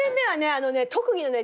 あのね特技のね